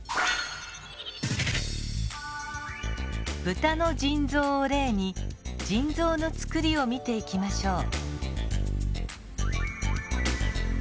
ブタの腎臓を例に腎臓のつくりを見ていきましょう。